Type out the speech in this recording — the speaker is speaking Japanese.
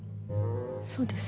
そうです。